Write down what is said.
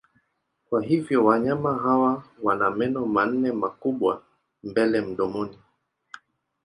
Kwa hivyo wanyama hawa wana meno manne makubwa mbele mdomoni.